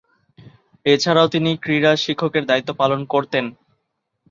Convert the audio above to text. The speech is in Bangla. এছাড়াও তিনি ক্রীড়া শিক্ষকের দায়িত্ব পালন করতেন।